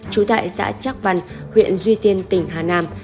chủ tại xã chắc văn huyện duy tiên tỉnh hà nam